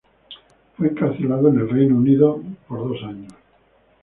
Fue encarcelado en el Reino Unido por dos años.